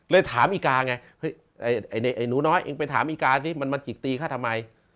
ถามอีกาไงไอ้หนูน้อยเองไปถามอีกาสิมันมาจิกตีเขาทำไม